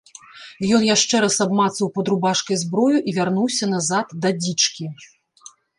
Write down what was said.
Ён яшчэ раз абмацаў пад рубашкай зброю і вярнуўся назад да дзічкі.